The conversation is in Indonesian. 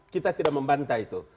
kita tidak membanta itu